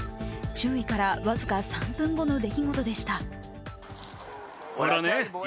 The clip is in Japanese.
注意から僅か３分後の出来事でした。